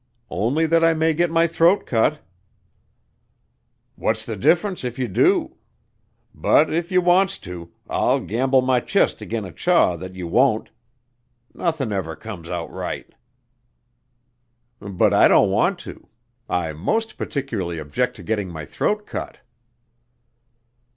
"Only that I may get my throat cut." "What's the difference if you do? But if you wants to, I'll gamble my chest agin a chaw that you won't. Nothin' ever comes out right." "But I don't want to. I most particularly object to getting my throat cut."